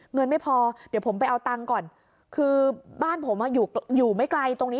เงินไม่พอเดี๋ยวผมไปเอาตังค์ก่อนคือบ้านผมอยู่ไม่ไกลตรงนี้